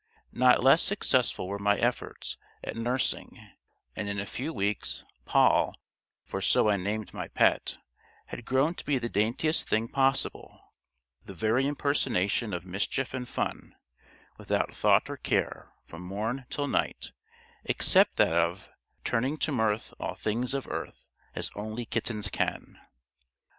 Not less successful were my efforts at nursing, and in a few weeks, Poll, for so I named my pet, had grown to be the daintiest thing possible; the very impersonation of mischief and fun, without thought or care, from morn till night, except that of "Turning to mirth all things of earth, As only kittens can."